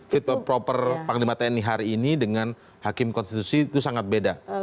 fitur proper panglima tni hari ini dengan hakim konstitusi itu sangat berbeda